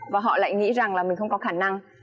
và họ lại nghĩ rằng là mình không có khả năng